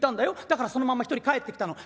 だからそのまま一人帰ってきたの。